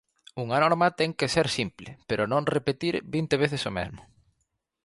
Unha norma ten que ser simple, pero non repetir vinte veces o mesmo.